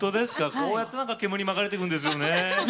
こうやって煙に巻かれていくんですよね。